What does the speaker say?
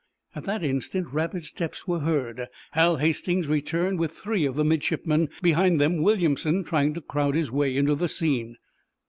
At that instant rapid steps were heard. Hal Hastings returned with three of the midshipmen, behind them Williamson trying to crowd his way into the scene.